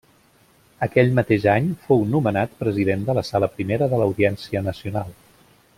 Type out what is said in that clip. Aquell mateix any fou nomenat president de la sala primera de l'Audiència Nacional.